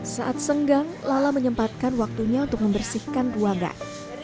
saat senggang lala menyempatkan waktunya untuk membersihkan ruangan